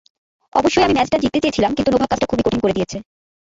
অবশ্যই আমি ম্যাচটা জিততে চেয়েছিলাম কিন্তু নোভাক কাজটা খুবই কঠিন করে দিয়েছে।